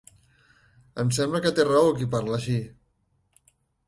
Em sembla que té raó qui parla així